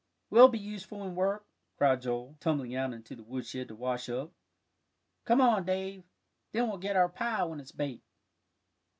"We'll be useful and work," cried Joel, tumbling out into the woodshed to wash up. "Come on, Dave; then we'll get our pie when it's baked."